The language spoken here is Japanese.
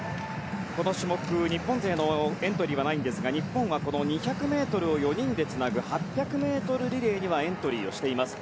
この種目、日本勢のエントリーはないんですが日本は２００ｍを４人でつなぐ８００ｍリレーにはエントリーをしています。